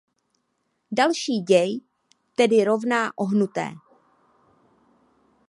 Další děj tedy rovná ohnuté.